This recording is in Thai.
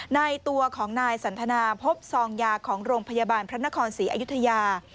ในตัวของนายสันทนาพบซองยาของโรงพยาบาลพระนครศรีอยุธยา